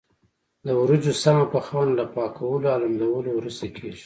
د وریجو سمه پخونه له پاکولو او لمدولو وروسته کېږي.